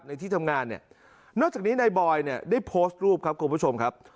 ที่ทำงานเนี่ยนอกจากนี้นายบอยเนี่ยได้โพสต์รูปครับคุณผู้ชมครับ